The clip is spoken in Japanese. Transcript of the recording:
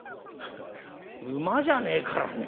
馬じゃねえからね